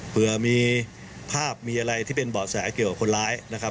เผื่อมีภาพมีอะไรที่เป็นเบาะแสเกี่ยวกับคนร้ายนะครับ